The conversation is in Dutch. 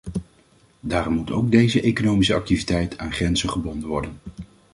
Daarom moet ook deze economische activiteit aan grenzen gebonden worden.